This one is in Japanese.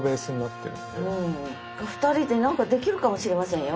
２人で何かできるかもしれませんよ。